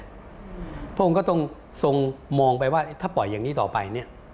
พวกมันก็ต้องทรงมองไปว่าถ้าปล่อยอย่างนี้ต่อไป